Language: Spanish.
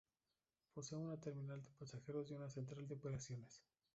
Posee una terminal de pasajeros y una central de operaciones.